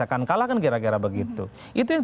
akan kalahkan kira kira begitu itu yang